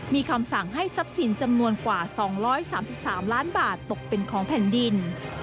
มีคำสั่งให้ทรัพย์สินจำนวนกว่า๒๓๓ล้านบาทตกเป็นของแผ่นดิน